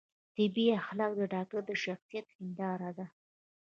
طبي اخلاق د ډاکتر د شخصیت هنداره ده